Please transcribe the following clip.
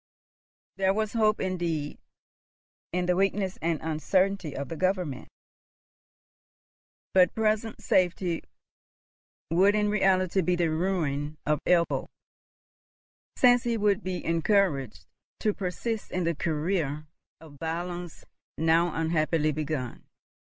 There was hope indeed in the weakness and uncertainty of the Government; but present safety would in reality be the ruin of Ebbo, since he would be encouraged to persist in the career of violence now unhappily begun.